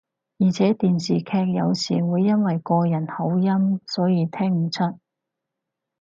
而且電視劇有時會因為個人口音所以聽唔出